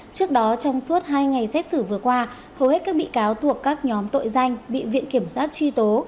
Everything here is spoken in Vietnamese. trước đó trong suốt hai ngày xét xử vừa qua hầu hết các bị cáo thuộc các nhóm tội danh bị viện kiểm soát truy tố